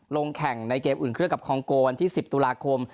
ลงแข่งในเกมอื่นเครื่องกับคองโกวันที่๑๐ตุลาคม